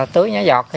tưới nhỏ giọt